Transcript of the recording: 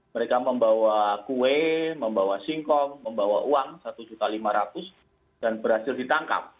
mereka membawa kue membawa singkong membawa uang rp satu lima ratus dan berhasil ditangkap